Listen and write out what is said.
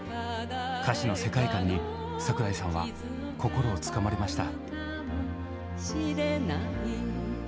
歌詞の世界観に櫻井さんは心をつかまれました。